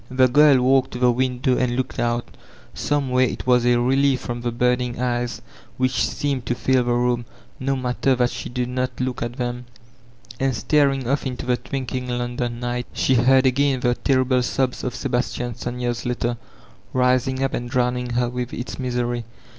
The girl walked to the window and looked out. Some way it was a relief from the burning eyes which seemed to fin the room, no matter that she did not look at them And staring off into the twinkling London night, she '430 eVoLTAutiNE DE Cleyre heard again the terrible sobs of Sebastian Sonyer's letter rising up and drowning her with its misery.